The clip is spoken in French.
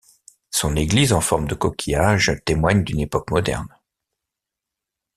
Son église en forme de coquillage témoigne d'une époque moderne.